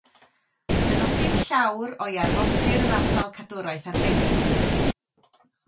Dynodir llawr o'i arfordir yn Ardal Cadwraeth Arbennig.